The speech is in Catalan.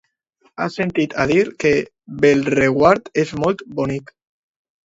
He sentit a dir que Bellreguard és molt bonic.